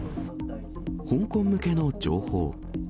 香港向けの情報。